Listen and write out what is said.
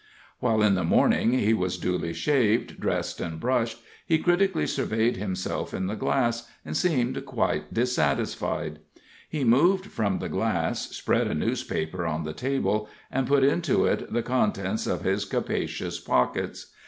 When in the morning he was duly shaved, dressed and brushed, he critically surveyed himself in the glass, and seemed quite dissatisfied. He moved from the glass, spread a newspaper on the table, and put into it the contents of his capacious pockets.